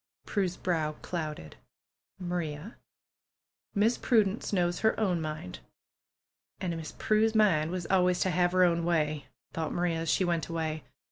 Prue's brow clouded. Maria, Miss Prudence knows her own mind." ^^And Miss Prue's mind was always to have her own way," thought Maria, as she went away.